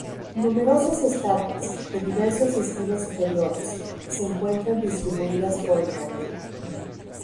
Numerosas estatuas, de diversos estilos y periodos, se encuentran distribuidas por el jardín.